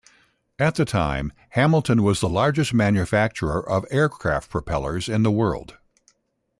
At the time, Hamilton was the largest manufacturer of aircraft propellers in the world.